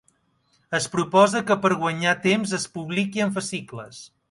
Es proposa que per a guanyar temps es publique en fascicles.